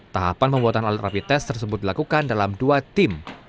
tahapan pembuatan alat rapi tes tersebut dilakukan dalam dua tim